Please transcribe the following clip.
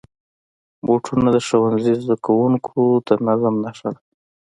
بوټونه د ښوونځي زدهکوونکو د نظم نښه ده.